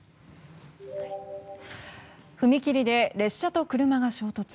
踏切で列車と車が衝突。